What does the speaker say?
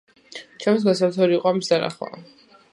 ჩემთვის გასაოცარი იყო ამის დანახვა.